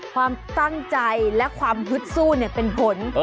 ความตั้งใจและความฮึดสู้เป็นผล